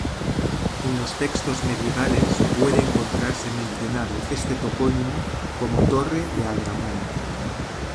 En los textos medievales puede encontrarse mencionado este topónimo como "Torre de Agramont".